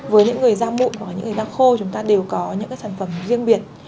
với những người da mụn và những người da khô chúng ta đều có những sản phẩm riêng biệt